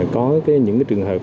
có những trường hợp